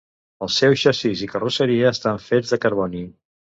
El seu xassís i carrosseria estan fets de carboni.